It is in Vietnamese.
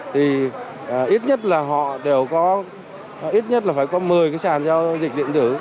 thì ít nhất là họ đều có ít nhất là phải có một mươi sản giao dịch điện tử